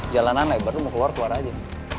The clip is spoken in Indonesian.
jalanan lebar lo mau keluar keluar aja